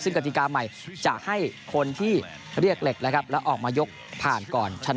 ซึ่งกติกาใหม่จะให้คนที่เรียกเหล็กนะครับแล้วออกมายกผ่านก่อนชนะ